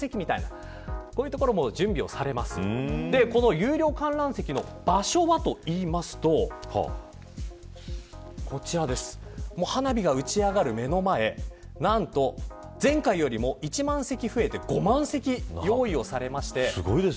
有料観覧席の場所はと言いますと花火が打ち上がる目の前何と、前回よりも１万席増えて５万席用意をされています。